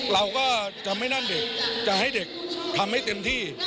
เราก็จะไม่นั่นเด็กจะให้เด็กทำให้เต็มที่